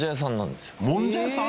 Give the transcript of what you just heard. もんじゃ屋さん！？